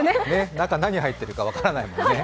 中、何が入ってるか分からないですもんね。